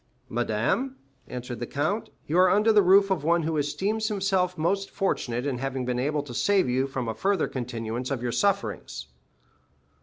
"Madame," answered the count, "you are under the roof of one who esteems himself most fortunate in having been able to save you from a further continuance of your sufferings."